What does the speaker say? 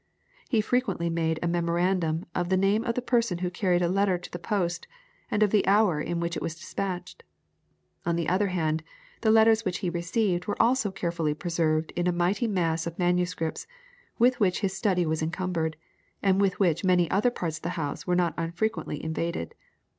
He frequently made a memorandum of the name of the person who carried a letter to the post, and of the hour in which it was despatched. On the other hand, the letters which he received were also carefully preserved in a mighty mass of manuscripts, with which his study was encumbered, and with which many other parts of the house were not unfrequently invaded.